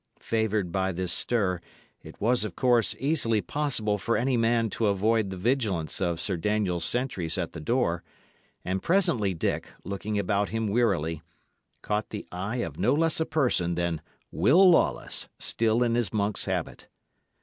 Favoured by this stir, it was of course easily possible for any man to avoid the vigilance of Sir Daniel's sentries at the door; and presently Dick, looking about him wearily, caught the eye of no less a person than Will Lawless, still in his monk's habit.